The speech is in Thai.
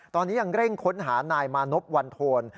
ตอนนี้ยังเร่งค้นหานายมานพวันโทน